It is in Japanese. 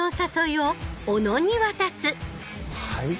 はい？